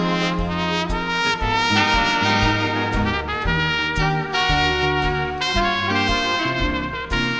ขอบความจากฝ่าให้บรรดาดวงคันสุขสิทธิ์